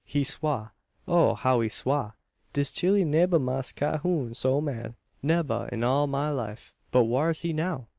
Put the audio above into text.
He swa; oh! how he swa! Dis chile nebba see Mass Cahoon so mad nebba, in all 'im life!" "But whar's he now?